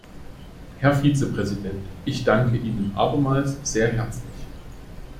Herr Vizepräsident, ich danke Ihnen abermals sehr herzlich.